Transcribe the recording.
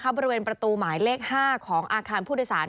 บริเวณประตูหมายเลข๕ของอาคารผู้โดยสาร